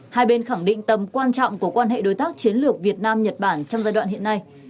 hai bên khẳng định tầm quan trọng của quan hệ đối tác chiến lược việt nam nhật bản trong giai đoạn hiện nay